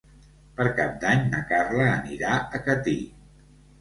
Per Cap d'Any na Carla anirà a Catí.